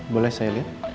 boleh saya liat